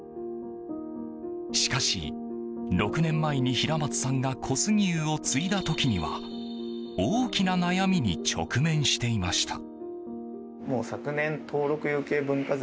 しかし、６年前に平松さんが小杉湯を継いだ時には大きな悩みに直面していました。